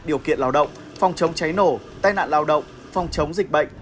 điều kiện lao động phòng chống cháy nổ tai nạn lao động phòng chống dịch bệnh